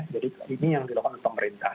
jadi ini yang dilakukan oleh pemerintah